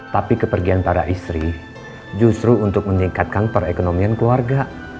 tapi kepergian para istri justru untuk meningkatkan perekonomian keluarga